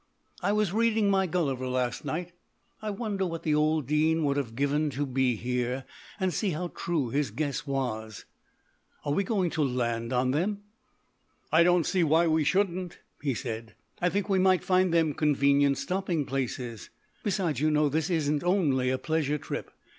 I was reading my Gulliver last night. I wonder what the old Dean would have given to be here, and see how true his guess was. Are we going to land on them?" "I don't see why we shouldn't," he said. "I think we might find them convenient stopping places; besides, you know this isn't only a pleasure trip.